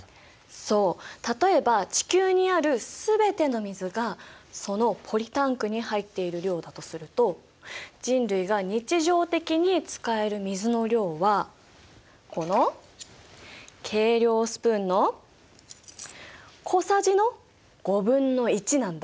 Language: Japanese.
そう例えば地球にある全ての水がそのポリタンクに入っている量だとすると人類が日常的に使える水の量はこの計量スプーンの小さじの５分の１なんだ。